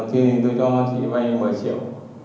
thì lúc đó tôi cho chị vay một mươi triệu